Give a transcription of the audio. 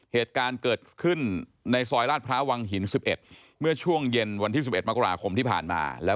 เหตุการณ์เกิดขึ้นในซอยลาดพร้าววังหิน๑๑เมื่อช่วงเย็นวันที่๑๑มกราคมที่ผ่านมา